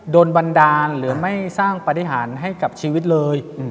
บันดาลหรือไม่สร้างปฏิหารให้กับชีวิตเลย